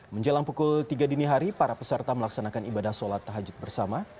menjelang pukul tiga dini hari para peserta melaksanakan ibadah sholat tahajud bersama